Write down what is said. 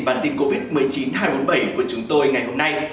bản tin covid một mươi chín hai trăm bốn mươi bảy của chúng tôi ngày hôm nay